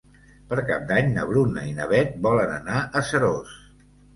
Per Cap d'Any na Bruna i na Beth volen anar a Seròs.